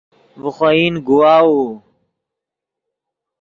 ڤے خوئن گواؤو